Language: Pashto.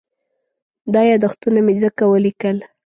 دا یادښتونه مې ځکه وليکل.